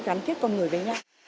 gắn kết con người với nhau